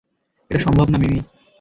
এটা সম্ভব না, মিমি।